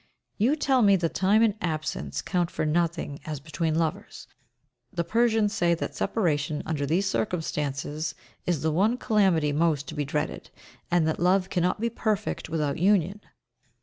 You tell me that time and absence count for nothing as between lovers; the Persian says that separation, under these circumstances, is the one calamity most to be dreaded, and that love cannot be perfect without union.